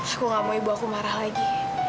aku gak mau ibu aku marah lagi